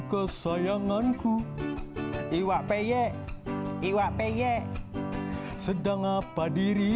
kesayanganku iwap ye iwap ye sedang apa dirimu